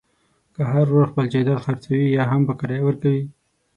که هر ورور خپل جایداد خرڅوي یاهم په کرایه ورکوي.